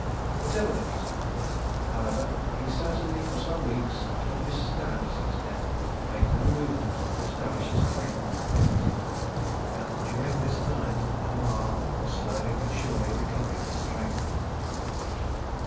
Whatever his reason, however, he certainly for some weeks after Mr. Anderton's death made no movement to establish his claim upon the property, and during this time Madame R was slowly but surely recovering her strength.